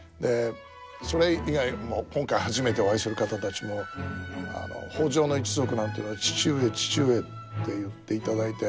それ以外も今回初めてお会いする方たちも北条の一族なんていうのは「父上父上」って言っていただいて。